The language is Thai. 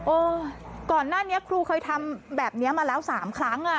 ก่อนหน้านี้ครูเคยทำแบบนี้มาแล้ว๓ครั้ง